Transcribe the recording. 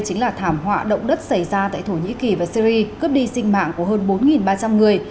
chính là thảm họa động đất xảy ra tại thổ nhĩ kỳ và syri cướp đi sinh mạng của hơn bốn ba trăm linh người